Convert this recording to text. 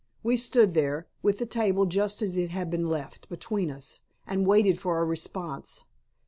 We stood there, with the table, just as it had been left, between us, and waited for a response.